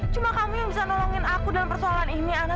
cuma kamu yang bisa nolongin aku dalam persoalan ini